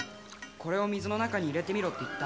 これを水の中に入れてみろって言った？